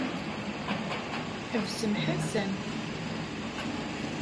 Ḥebsem Ḥasan.